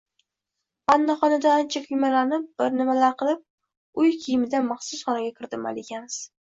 Vannaxonada ancha kuymalanib bir nimalar qilib, uy kiyimida maxsus xonaga kirdi Malikamiz